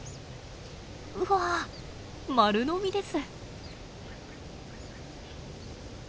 うわ丸飲みです。